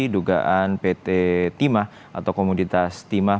dugaan pt timah atau komoditas timah